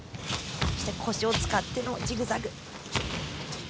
そして、腰を使ってのジグザグ。